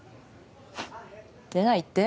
ふっ出ないって？